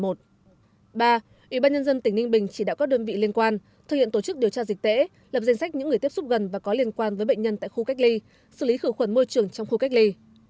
ba ủy ban nhân dân tỉnh ninh bình chỉ đạo các đơn vị liên quan thực hiện tổ chức điều tra dịch tễ lập danh sách những người tiếp xúc gần và có liên quan với bệnh nhân tại khu cách ly xử lý khử khuẩn môi trường trong khu cách ly